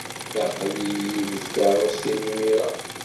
Aql-iyi deg tkeṛṛust-inu imir-a.